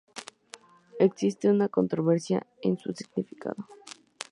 Existe una controversia en su significado.